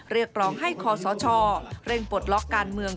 เรียกร้องให้คอสชเร่งปลดล็อกการเมือง